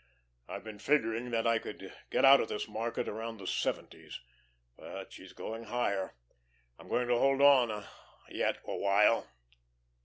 I've been figuring that I would get out of this market around the seventies, but she's going higher. I'm going to hold on yet awhile."